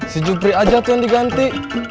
si jupri aja tuh yang diganti